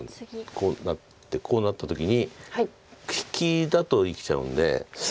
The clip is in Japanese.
こうなってこうなった時に引きだと生きちゃうんで。